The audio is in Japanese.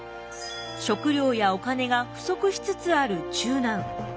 食料やお金が不足しつつある中難。